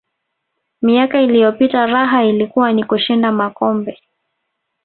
miaka iliyopita raha ilikuwa ni kushinda makombe